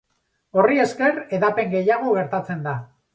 Horri esker, hedapen gehiago gertatzen da.